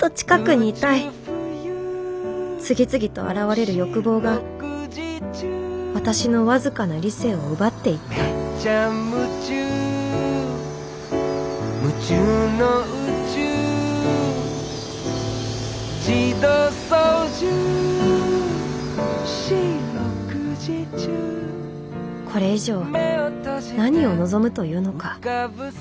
次々と現れる欲望が私の僅かな理性を奪っていったこれ以上何を望むというのか？